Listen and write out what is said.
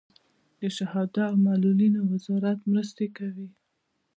د شهدا او معلولینو وزارت مرستې کوي